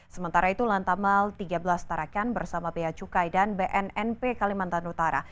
sementara itu lantamal tiga belas tarakan bersama bnnp kalimantan utara